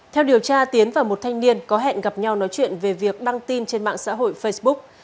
theo điều tra tiến và một thanh niên có hẹn gặp nhau nói chuyện về việc đăng tin trên mạng xã hội facebook